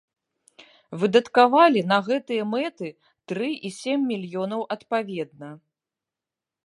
Выдаткавалі на гэтыя мэты тры і сем мільёнаў адпаведна.